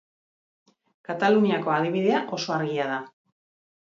Kataluniako adibidea oso argia da.